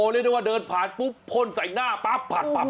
เรียกได้ว่าเดินผ่านปุ๊บพ่นใส่หน้าปั๊บ